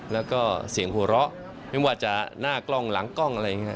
แล้วก็เสียงหัวเราะไม่ว่าจะหน้ากล้องหลังกล้องอะไรอย่างนี้